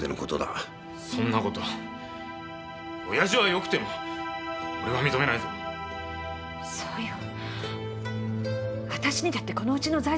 そんなことおやじはよくても俺は認めないぞそうよ